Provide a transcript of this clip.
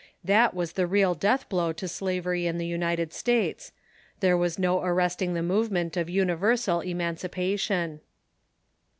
That was the real death blow to slavery in the United States. There was no arresting the movement of universal emancipation.